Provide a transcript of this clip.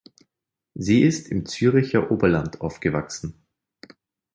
Sie ist im Zürcher Oberland aufgewachsen.